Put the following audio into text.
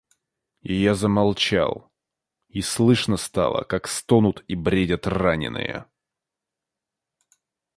И я замолчал, и слышно стало, как стонут и бредят раненые.